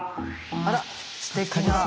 あらすてきな。